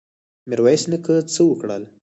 میرویس نیکه څه وکړل؟